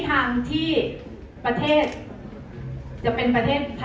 อ๋อแต่มีอีกอย่างนึงค่ะ